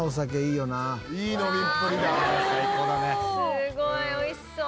「すごい美味しそう」